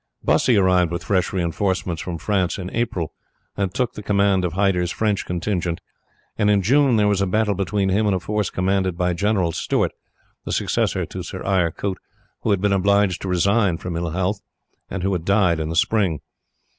"Bussy arrived with fresh reinforcements from France in April, and took the command of Hyder's French contingent, and in June there was a battle between him and a force commanded by General Stuart, the successor to Sir Eyre Coote, who had been obliged to resign from ill health, and who had died in the spring.